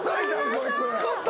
こいつ。